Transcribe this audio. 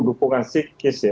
tidak ada dukungan psikis ya